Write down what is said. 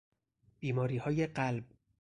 بیماریهای قلب